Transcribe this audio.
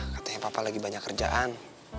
katanya papa lagi banyak kerjaan